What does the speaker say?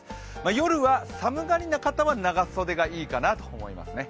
夜は寒がりな方は長袖がいいかなと思いますね。